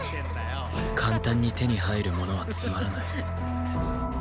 簡単に手に入るものはつまらない